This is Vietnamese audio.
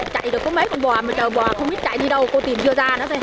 chạy rồi có mấy con bò mà chạy bò không biết chạy đi đâu cô tìm chưa ra nữa